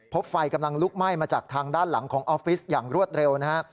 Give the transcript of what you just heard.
ไฟกำลังลุกไหม้มาจากทางด้านหลังของออฟฟิศอย่างรวดเร็วนะฮะ